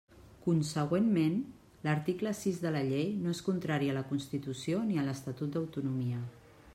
Consegüentment, l'article sis de la Llei no és contrari a la Constitució ni a l'Estatut d'autonomia.